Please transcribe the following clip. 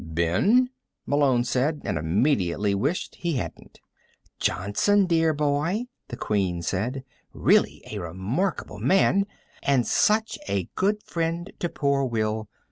"Ben?" Malone said, and immediately wished he hadn't. "Jonson, dear boy," the Queen said. "Really a remarkable man and such a good friend to poor Will.